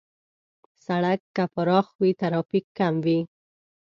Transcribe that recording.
سړک که پراخ وي، ترافیک کم وي.